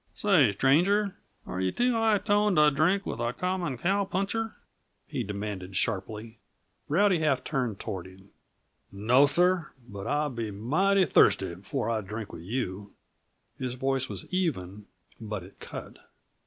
"Say, stranger, are you too high toned t' drink with a common cowpuncher?" he demanded sharply. Rowdy half turned toward him. "No, sir. But I'll be mighty thirsty before I drink with you." His voice was even, but it cut.